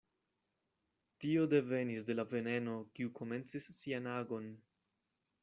Tio devenis de la veneno, kiu komencis sian agon.